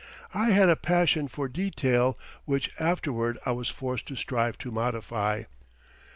I had a passion for detail which afterward I was forced to strive to modify.